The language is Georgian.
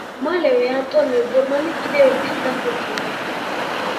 მალევე, ანტონი ბორმანი კიდევ ერთხელ დაქორწინდა.